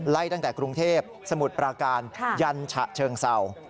ไล่ตั้งแต่กรุงเทพสมุทรปราการยันฉะเชิงเศร้า